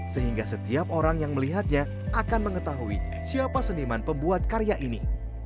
sehingga setiap orang yang melihatnya akan mengetahui siapa seniman pembuat karya ini